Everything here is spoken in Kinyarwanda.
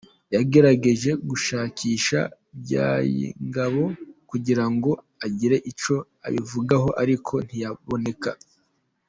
yagerageje gushakisha Mbyayingabo kugira ngo agire icyo abivugaho ariko ntiyaboneka.